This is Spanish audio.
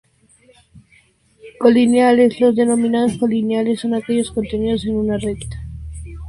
Colineales: los denominados colineales son aquellos contenidos en una recta.